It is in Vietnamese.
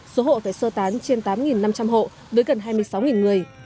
số hộ phải sơ tán trên tám năm trăm linh hộ với gần hai mươi sáu người